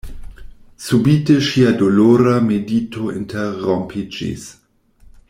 Subite ŝia dolora medito interrompiĝis.